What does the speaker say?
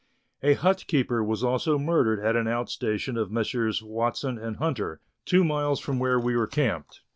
A hut keeper was also murdered at an out station of Messrs. Watson and Hunter, two miles from where we were camped.